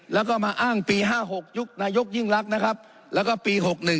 แล้วก็มาอ้างปี๕๖ยุคนายกยิ่งรักนะครับแล้วก็ปี๖๑